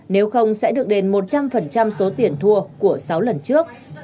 nếu không sẽ được đền một trăm linh số tiền thua của sáu lần trước